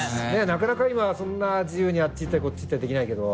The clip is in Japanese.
なかなか今そんな自由にあっち行ったりこっち行ったりできないけど。